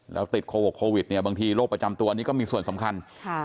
แล้วติดโควิดเนี่ยบางทีโรคประจำตัวนี้ก็มีส่วนสำคัญ